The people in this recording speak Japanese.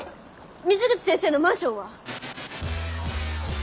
水口先生のマンションは？